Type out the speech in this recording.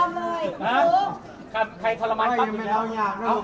ิ๊มอะไรเนี่ย